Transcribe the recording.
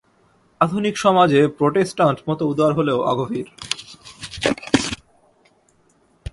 আধুনিক সমাজে প্রোটেষ্টাণ্ট মত উদার হলেও অগভীর।